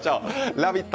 「ラヴィット！」